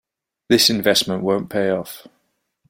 This investment won't pay off.